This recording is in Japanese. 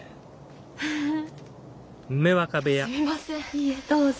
いえどうぞ。